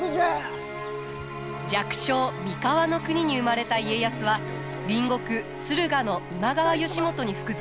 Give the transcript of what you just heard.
弱小三河国に生まれた家康は隣国駿河の今川義元に服属。